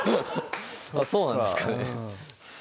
そうなんですかね